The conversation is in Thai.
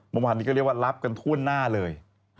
บางวันนี้ก็เรียกว่ารับกันท่วนหน้าเลย